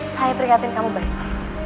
saya peringatin kamu baik baik